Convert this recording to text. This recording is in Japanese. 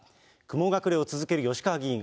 雲隠れを続ける吉川議員。